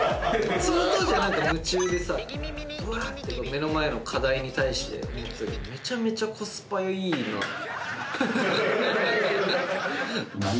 「その当時は夢中でさ目の前の課題に対して」「めちゃめちゃコスパいいな」